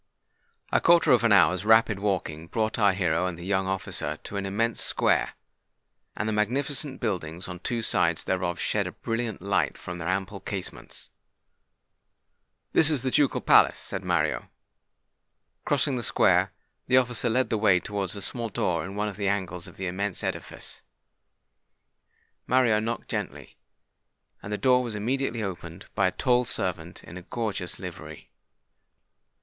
A quarter of an hour's rapid walking brought our hero and the young officer to an immense square; and the magnificent buildings on two sides thereof shed a brilliant light from their ample casements. "This is the ducal palace," said Mario. Crossing the square, the officer led the way towards a small door in one of the angles of the immense edifice. Mario knocked gently; and the door was immediately opened by a tall servant in a gorgeous livery.